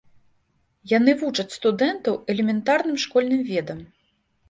Яны вучаць студэнтаў элементарным школьным ведам.